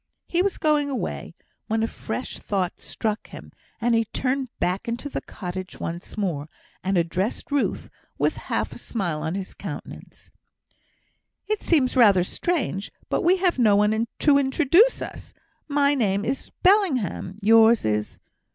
He was going away, when a fresh thought struck him, and he turned back into the cottage once more, and addressed Ruth, with a half smile on his countenance: "It seems rather strange, but we have no one to introduce us; my name is Bellingham yours is